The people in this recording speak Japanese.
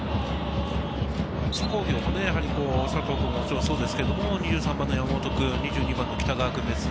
津工業も、佐藤君ももちろんそうですけど２３番・山本君、２２番・北川君。